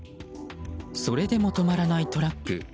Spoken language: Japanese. それでも止まらないトラック。